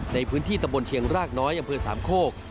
ในพื้นที่ตะบนเชียงรากน้อยอำเภอสามโคก